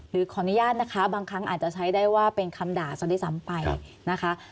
ขออนุญาตนะคะบางครั้งอาจจะใช้ได้ว่าเป็นคำด่าซะด้วยซ้ำไปนะคะ